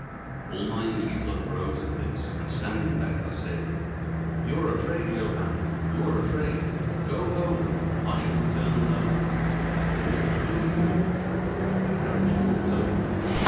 All my English blood rose at this, and, standing back, I said: "You are afraid, Johann—you are afraid. Go home; I shall return alone; the walk will do me good." The carriage door was open.